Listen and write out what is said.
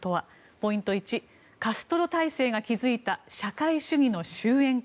ポイント１カストロ体制が築いた社会主義の終えんか。